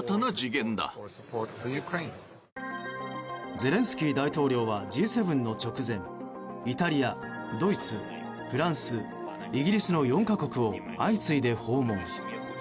ゼレンスキー大統領はＧ７の直前イタリア、ドイツ、フランスイギリスの４か国を相次いで訪問。